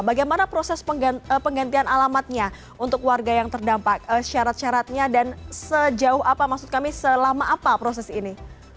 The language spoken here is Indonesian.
bagaimana proses penggantian alamatnya untuk warga yang terdampak syarat syaratnya dan sejauh apa maksud kami selama apa proses ini